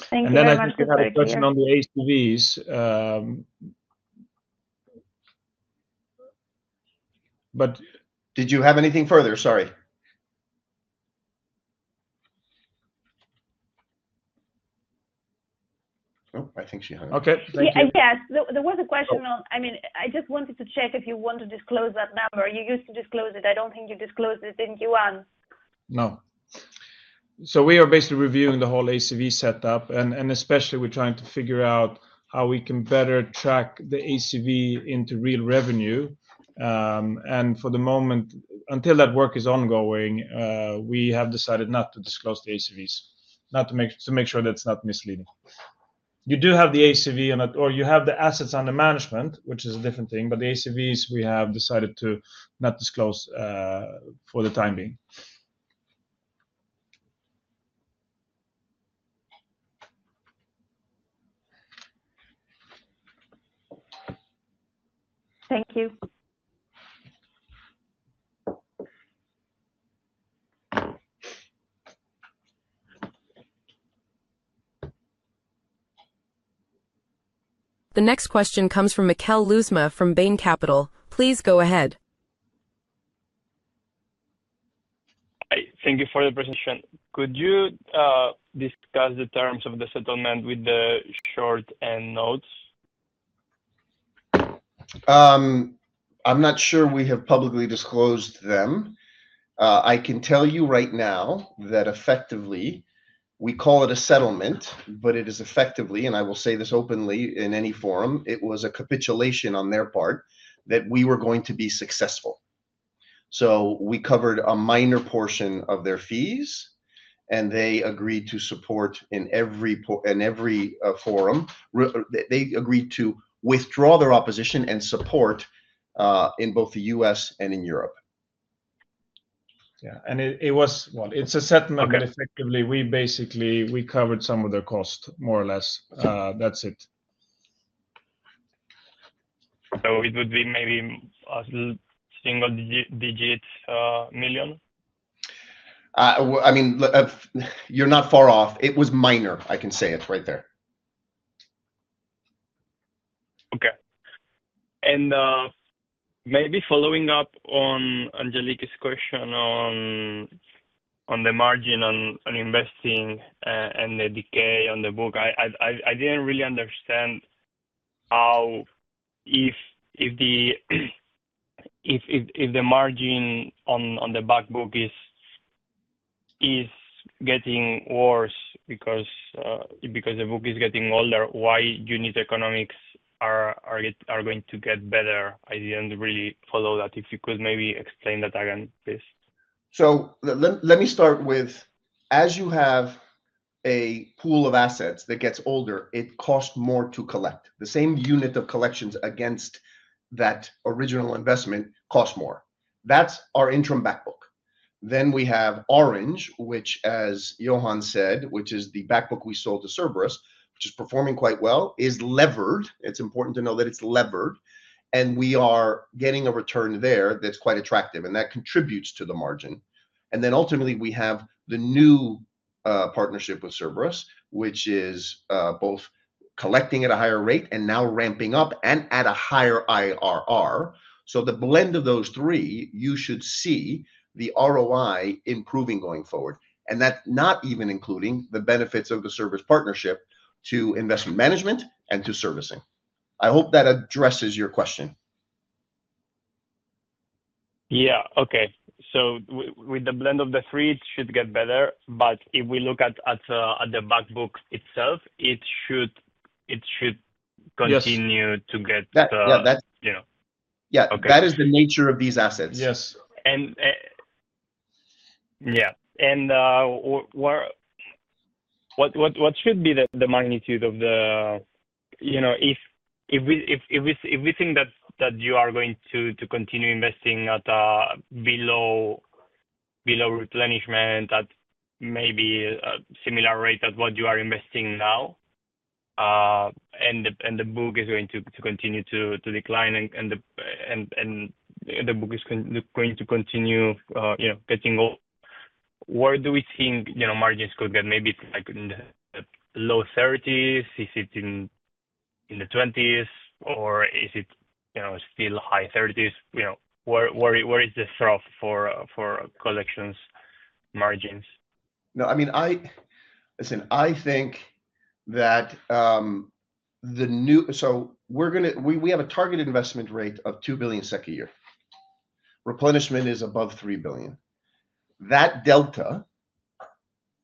Thank you, Andrés. I think we had a question on the ACVs. Did you have anything further? Sorry. I think she hung up. Okay. Thank you. Yes. There was a question on, I mean, I just wanted to check if you want to disclose that number. You used to disclose it. I don't think you disclosed it, didn't you, Juan? No. We are basically reviewing the whole ACV setup, and especially we're trying to figure out how we can better track the ACV into real revenue. For the moment, until that work is ongoing, we have decided not to disclose the ACVs, to make sure that's not misleading. You do have the ACV, or you have the assets under management, which is a different thing, but the ACVs we have decided to not disclose for the time being. Thank you. The next question comes from Mikel Luzma from Bain Capital. Please go ahead. Thank you for the presentation. Could you discuss the terms of the settlement with the short end notes? I'm not sure we have publicly disclosed them. I can tell you right now that effectively we call it a settlement, but it is effectively, and I will say this openly in any forum, it was a capitulation on their part that we were going to be successful. We covered a minor portion of their fees, and they agreed to support in every forum. They agreed to withdraw their opposition and support in both the US and in Europe. Yeah. It was a settlement, but effectively we basically covered some of their costs, more or less. That's it. It would be maybe a single-digit million? I mean, you're not far off. It was minor. I can say it right there. Okay. Maybe following up on Ageliky's question on the margin on investing and the decay on the book, I did not really understand how if the margin on the back book is getting worse because the book is getting older, why unit economics are going to get better. I did not really follow that. If you could maybe explain that again, please. Let me start with, as you have a pool of assets that gets older, it costs more to collect. The same unit of collections against that original investment costs more. That is our Intrum back book. Then we have orange, which, as Johan said, which is the back book we sold to Cerberus, which is performing quite well, is levered. It is important to know that it is levered, and we are getting a return there that is quite attractive, and that contributes to the margin. Ultimately, we have the new partnership with Cerberus, which is both collecting at a higher rate and now ramping up and at a higher IRR. The blend of those three, you should see the ROI improving going forward. That is not even including the benefits of the service partnership to investment management and to servicing. I hope that addresses your question. Yeah. With the blend of the three, it should get better, but if we look at the back book itself, it should continue to get the. Yeah. That is the nature of these assets. Yes. And yeah. What should be the magnitude of the, if we think that you are going to continue investing below replenishment at maybe a similar rate as what you are investing now, and the book is going to continue to decline, and the book is going to continue getting old, where do we think margins could get? Maybe it is like in the low 30s? Is it in the 20s? Or is it still high 30s? Where is the trough for collections margins? No, I mean, listen, I think that the new, so, we have a target investment rate of 2 billion SEK a year. Replenishment is above 3 billion. That delta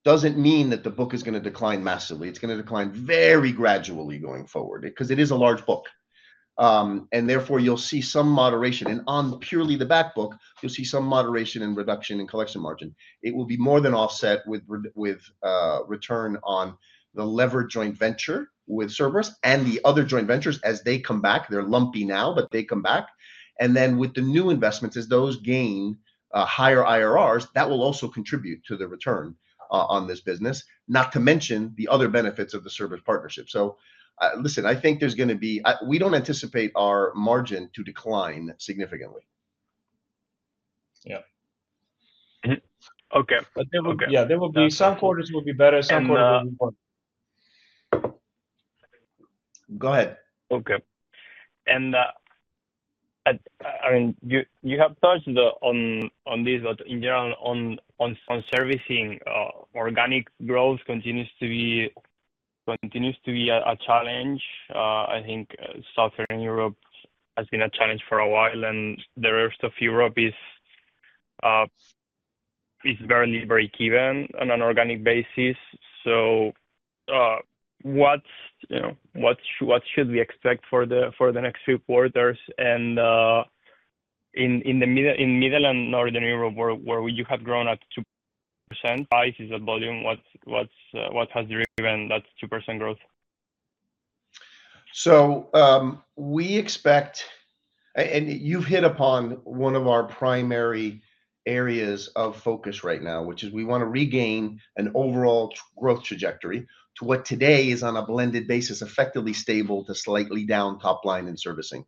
does not mean that the book is going to decline massively. It is going to decline very gradually going forward because it is a large book. Therefore, you will see some moderation. On purely the back book, you'll see some moderation in reduction in collection margin. It will be more than offset with return on the lever joint venture with Cerberus and the other joint ventures as they come back. They're lumpy now, but they come back. With the new investments, as those gain higher IRRs, that will also contribute to the return on this business, not to mention the other benefits of the service partnership. Listen, I think we don't anticipate our margin to decline significantly. Yeah. There will be some quarters will be better. Some quarters will be worse. Go ahead. I mean, you have touched on this, but in general, on servicing, organic growth continues to be a challenge. I think Southern Europe has been a challenge for a while, and the rest of Europe is barely breakeven on an organic basis. What should we expect for the next few quarters? In Middle and Northern Europe, where you have grown at 2%, rise is the volume. What has driven that 2% growth? We expect, and you have hit upon one of our primary areas of focus right now, which is we want to regain an overall growth trajectory to what today is on a blended basis, effectively stable to slightly down top line in servicing.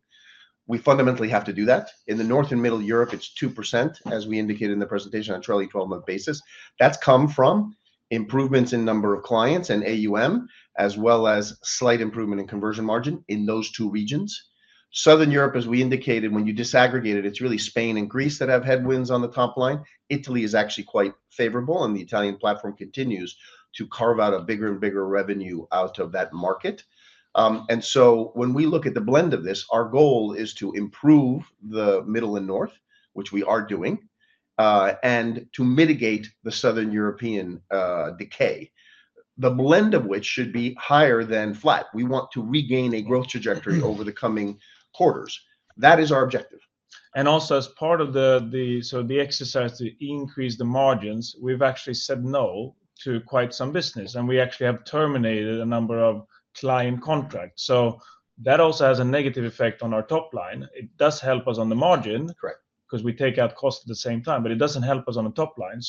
We fundamentally have to do that. In the North and Middle Europe, it is 2%, as we indicated in the presentation, on a truly 12-month basis. That has come from improvements in number of clients and AUM, as well as slight improvement in conversion margin in those two regions. Southern Europe, as we indicated, when you disaggregate it, it's really Spain and Greece that have headwinds on the top line. Italy is actually quite favorable, and the Italian platform continues to carve out a bigger and bigger revenue out of that market. When we look at the blend of this, our goal is to improve the Middle and North, which we are doing, and to mitigate the Southern European decay. The blend of which should be higher than flat. We want to regain a growth trajectory over the coming quarters. That is our objective. Also, as part of the exercise to increase the margins, we've actually said no to quite some business, and we actually have terminated a number of client contracts. That also has a negative effect on our top line. It does help us on the margin because we take out costs at the same time, but it does not help us on the top line.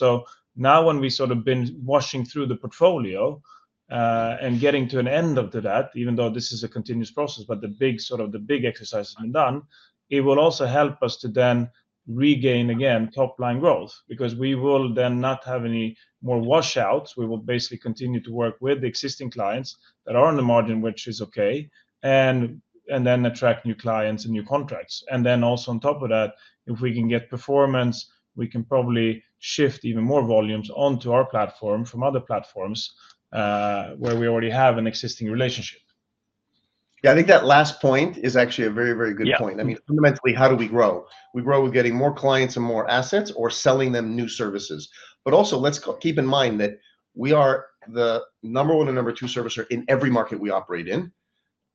Now, when we sort of have been washing through the portfolio and getting to an end to that, even though this is a continuous process, the big exercise has been done. It will also help us to then regain, again, top line growth because we will then not have any more washouts. We will basically continue to work with the existing clients that are on the margin, which is okay, and then attract new clients and new contracts. Also, on top of that, if we can get performance, we can probably shift even more volumes onto our platform from other platforms where we already have an existing relationship. Yeah. I think that last point is actually a very, very good point. I mean, fundamentally, how do we grow? We grow with getting more clients and more assets or selling them new services. Also, let's keep in mind that we are the number one and number two servicer in every market we operate in.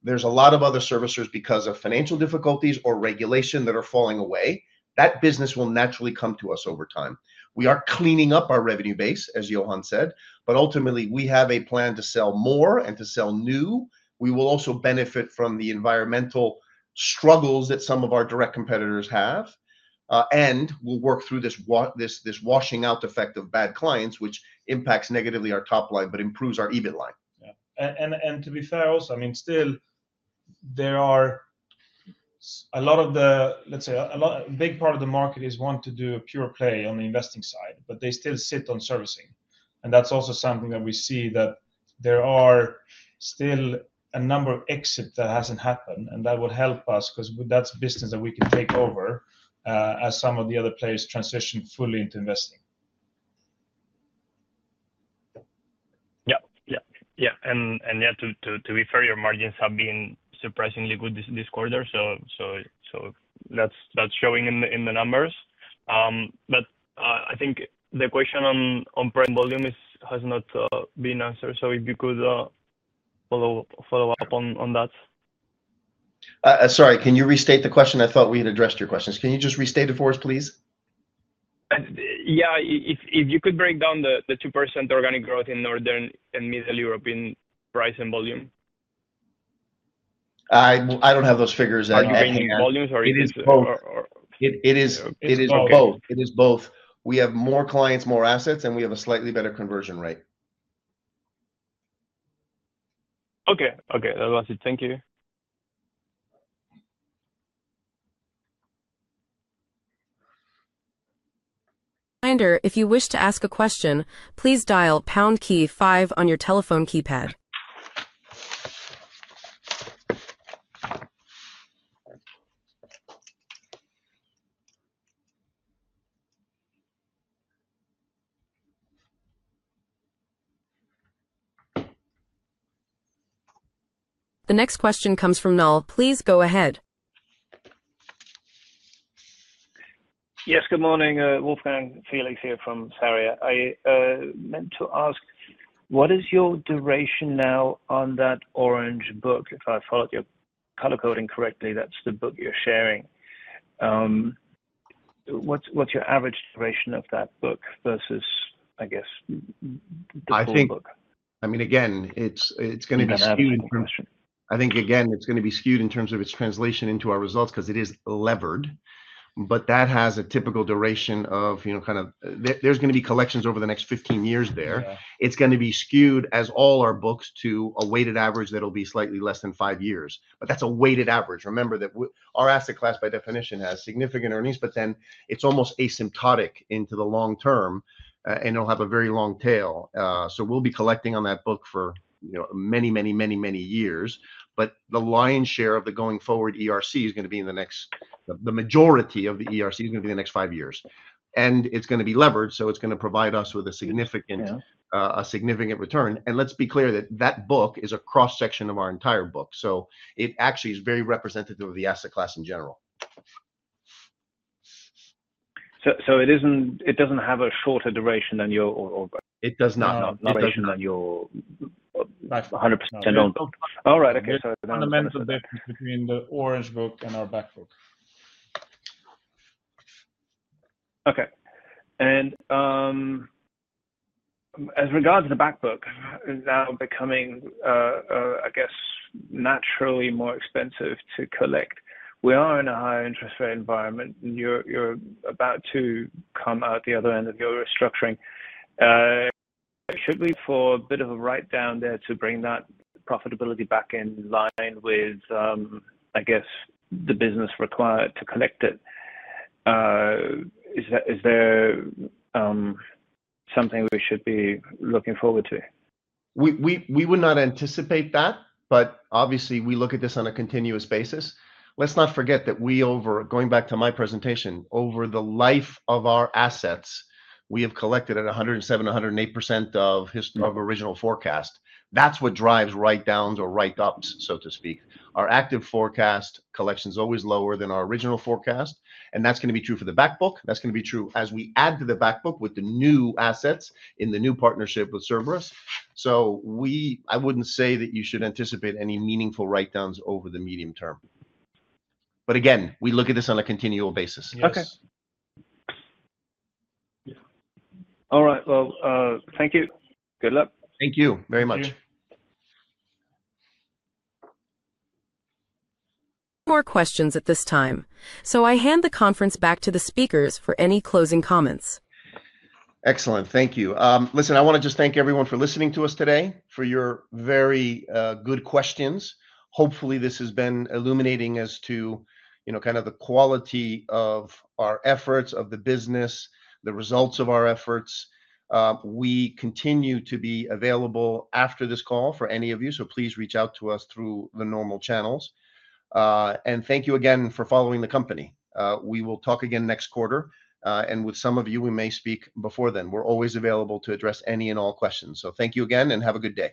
There are a lot of other servicers because of financial difficulties or regulation that are falling away. That business will naturally come to us over time. We are cleaning up our revenue base, as Johan said, but ultimately, we have a plan to sell more and to sell new. We will also benefit from the environmental struggles that some of our direct competitors have, and we'll work through this washing out effect of bad clients, which impacts negatively our top line but improves our EBIT line. Yeah. To be fair also, I mean, still, there are a lot of the, let's say, a big part of the market is want to do a pure play on the investing side, but they still sit on servicing. That is also something that we see, that there are still a number of exits that has not happened, and that would help us because that is business that we can take over as some of the other players transition fully into investing. Yeah. Yeah. To be fair, your margins have been surprisingly good this quarter, so that is showing in the numbers. I think the question on prime volume has not been answered, so if you could follow up on that. Sorry, can you restate the question? I thought we had addressed your questions. Can you just restate it for us, please? Yeah. If you could break down the 2% organic growth in Northern and Middle Europe in price and volume. I do not have those figures at hand. Are you getting volumes, or is it both? It is both. It is both. We have more clients, more assets, and we have a slightly better conversion rate. Okay. Okay. That was it. Thank you. Reminder, if you wish to ask a question, please dial #5 on your telephone keypad. The next question comes from Null. Please go ahead. Yes. Good morning. Wolfgang Felix here from Sarria. I meant to ask, what is your duration now on that orange book? If I followed your color coding correctly, that is the book you are sharing. What is your average duration of that book versus, I guess, the full book? I mean, again, it's going to be skewed in terms of, I think, again, it's going to be skewed in terms of its translation into our results because it is levered, but that has a typical duration of kind of, there's going to be collections over the next 15 years there. It's going to be skewed, as all our books, to a weighted average that will be slightly less than five years. But that's a weighted average. Remember that our asset class, by definition, has significant earnings, but then it's almost asymptotic into the long term, and it'll have a very long tail. We'll be collecting on that book for many, many, many, many years, but the lion's share of the going forward ERC is going to be in the next, the majority of the ERC is going to be in the next five years. It is going to be levered, so it is going to provide us with a significant return. Let us be clear that that book is a cross-section of our entire book. It actually is very representative of the asset class in general. It does not have a shorter duration than yours. It does not have a duration than yours. 100%. All right. Okay. That makes sense. Fundamental difference between the orange book and our back book. As regards to the back book now becoming, I guess, naturally more expensive to collect, we are in a higher interest rate environment, and you are about to come out the other end of your restructuring. Should we look for a bit of a write-down there to bring that profitability back in line with, I guess, the business required to collect it? Is there something we should be looking forward to? We would not anticipate that, but obviously, we look at this on a continuous basis. Let's not forget that we, going back to my presentation, over the life of our assets, we have collected at 107%-108% of original forecast. That's what drives write-downs or write-ups, so to speak. Our active forecast collection is always lower than our original forecast, and that's going to be true for the back book. That's going to be true as we add to the back book with the new assets in the new partnership with Cerberus. I wouldn't say that you should anticipate any meaningful write-downs over the medium term. Again, we look at this on a continual basis. Yes. Okay. All right. Thank you. Good luck. Thank you very much. No more questions at this time. I hand the conference back to the speakers for any closing comments. Excellent. Thank you. Listen, I want to just thank everyone for listening to us today, for your very good questions. Hopefully, this has been illuminating as to kind of the quality of our efforts, of the business, the results of our efforts. We continue to be available after this call for any of you, so please reach out to us through the normal channels. Thank you again for following the company. We will talk again next quarter, and with some of you, we may speak before then. We're always available to address any and all questions. Thank you again, and have a good day.